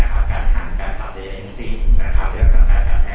การหั่นการสัดเดรแอนซึกแล้วก็ทางการแทนของสัด